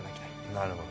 なるほど。